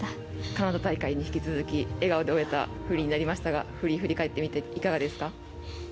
カナダ大会に引き続き笑顔で終えたフリーになりましたがフリー、振り返ってみていかがですか。